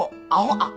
あっ。